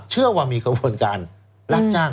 เชื่อว่ามีกระบวนการรับจ้าง